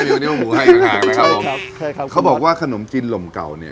มีวันนี้พ่อหมูให้ข้างนะครับใช่ครับใช่ครับเขาบอกว่าขนมจีนลมเก่าเนี่ย